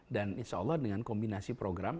dan insya allah dengan kombinasi program